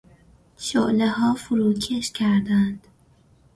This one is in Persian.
شعلهها فروکش کردند.